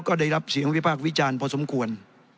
ก็ได้รับเสียงวิพากษ์วิจารณ์พอสมควร